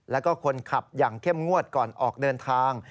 แล้วก็คนขับอย่างเข้มงวดก่อนออกเดินทาง